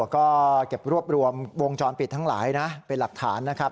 ก็เก็บรวบรวมวงจรปิดทั้งหลายนะเป็นหลักฐานนะครับ